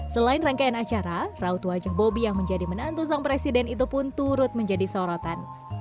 selain rangkaian acara raut wajah bobby yang menjadi menantu sang presiden itu pun turut menjadi sorotan